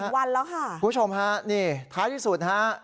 คุณผู้ชมฮะนี่ท้ายที่สุดฮะ